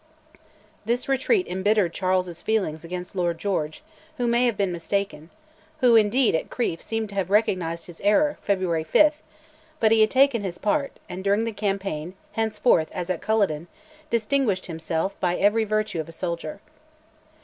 This retreat embittered Charles's feelings against Lord George, who may have been mistaken who, indeed, at Crieff, seems to have recognised his error (February 5); but he had taken his part, and during the campaign, henceforth, as at Culloden, distinguished himself by every virtue of a soldier.